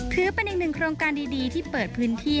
ถือเป็นอีกหนึ่งโครงการดีที่เปิดพื้นที่